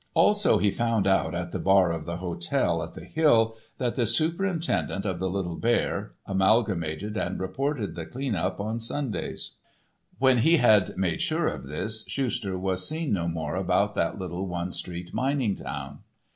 Also, he found out at the bar of the hotel at the Hill that the superintendent of the Little Bear amalgamated and reported the cleanup on Sundays. When he had made sure of this Schuster was seen no more about that little one street mining town.